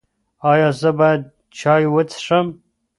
ایا زه باید چای وڅښم؟